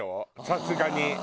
さすがに。